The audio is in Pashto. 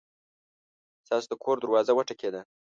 ستاسو د کور دروازه وټکېده!